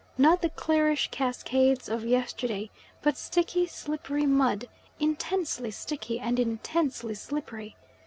Not the clearish cascades of yesterday but sticky, slippery mud, intensely sticky, and intensely slippery.